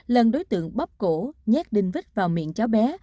lần đối tượng bóp cổ nhát đinh vít vào miệng cháu bé